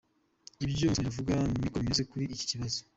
Ibyo Musonera avuga niko bimeze kuli iki kibazo.